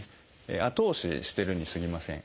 後押ししてるにすぎません。